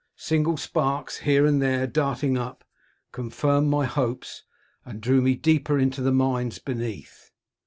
Single sparks, here and there darting up, confirmed my hopes, and drew me deeper into the mines beneath